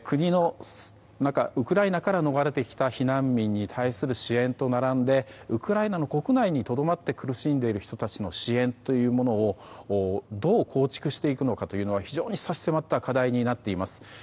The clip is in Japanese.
ウクライナから逃れてきた避難民の支援と並んでウクライナの国内にとどまって苦しんでいる人の支援というものをどう構築していくのかというのは非常に差し迫った課題になっています。